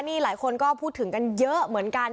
นี่หลายคนก็พูดถึงกันเยอะเหมือนกัน